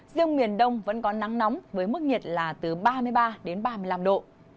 riêng miền đông vẫn có nắng nóng với mức nhiệt là từ ba mươi ba đến ba mươi năm độ